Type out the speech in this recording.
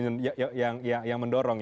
satu lagi mas boleh